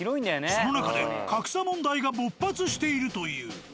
その中で格差問題が勃発しているという。